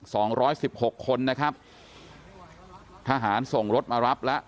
สองร้อยสิบหกคนนะครับทหารส่งรถมารับแล้ว